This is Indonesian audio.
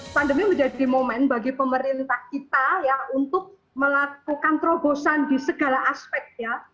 pandemi menjadi momen bagi pemerintah kita ya untuk melakukan terobosan di segala aspek ya